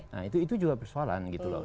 nah itu juga persoalan gitu loh